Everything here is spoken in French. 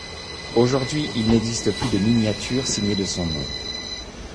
Aujourd'hui il n'existe plus de miniatures signées de son nom.